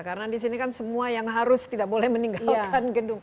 karena di sini kan semua yang harus tidak boleh meninggalkan gedung